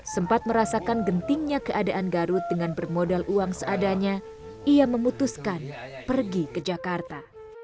sempat merasakan gentingnya keadaan garut dengan bermodal uang seadanya ia memutuskan pergi ke jakarta